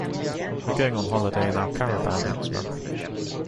We're going on holiday in our caravan next month